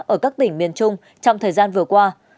ở các tỉnh miền trung trong thời gian vừa qua